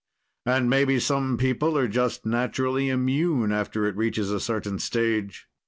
And maybe some people are just naturally immune after it reaches a certain stage.